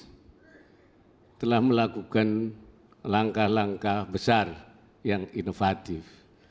kita telah melakukan langkah langkah besar yang inovatif